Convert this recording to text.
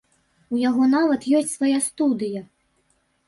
У яго нават ёсць свая студыя!